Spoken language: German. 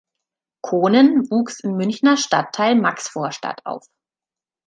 Kohnen wuchs im Münchner Stadtteil Maxvorstadt auf.